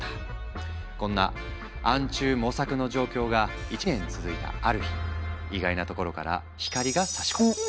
こんな暗中模索の状況が１年続いたある日意外なところから光がさし込む。